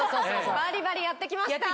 バリバリやって来ました。